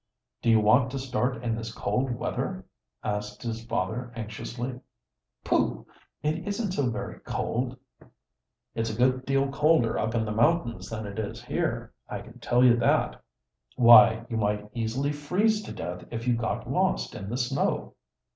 "Do you want to start in this cold weather?" asked his father anxiously. "Pooh! It isn't so very cold." "It's a good deal colder up in the mountains than it is here, I can tell you that. Why, you might easily freeze to death if you got lost in the snow."